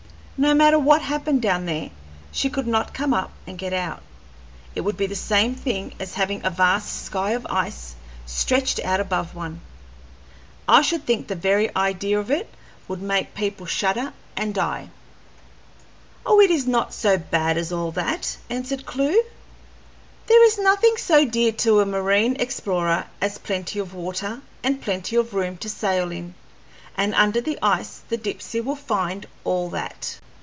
No matter what happened down there, she could not come up and get out; it would be the same thing as having a vast sky of ice stretched out above one. I should think the very idea of it would make people shudder and die." "Oh, it is not so bad as all that," answered Clewe. "There is nothing so dear to the marine explorer as plenty of water, and plenty of room to sail in, and under the ice the Dipsey will find all that."